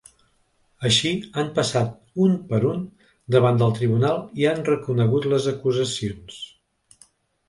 Així, han passat un per un davant del tribunal i han reconegut les acusacions.